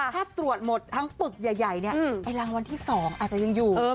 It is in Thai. ถ้าตรวจหมดทั้งปึกใหญ่เนี่ยไอ้รางวัลที่๒อาจจะยังอยู่